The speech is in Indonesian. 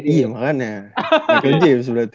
iya makanya michael james berarti